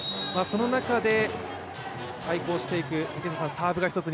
その中で、対抗していくサーブがひとつ